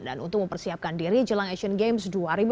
dan untuk mempersiapkan diri jelang asian games dua ribu delapan belas